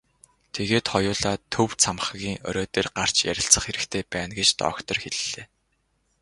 Тэгээд хоёулаа төв цамхгийн орой дээр гарч ярилцах хэрэгтэй байна гэж доктор хэллээ.